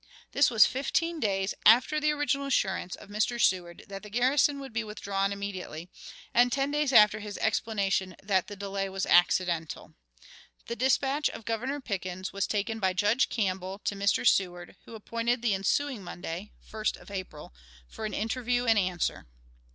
This was fifteen days after the original assurance of Mr. Seward that the garrison would be withdrawn immediately, and ten days after his explanation that the delay was "accidental." The dispatch of Governor Pickens was taken by Judge Campbell to Mr. Seward, who appointed the ensuing Monday (1st of April) for an interview and answer.